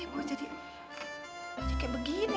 kenapa ya gue jadi kayak begini